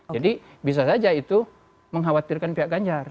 jadi bisa saja itu mengkhawatirkan pihak ganjar